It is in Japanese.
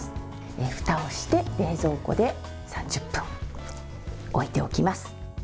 ふたをして冷蔵庫で３０分置いておきます。